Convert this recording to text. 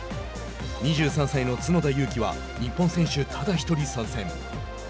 ２３歳の角田裕毅は日本選手ただ１人参戦。